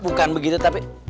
bukan begitu tapi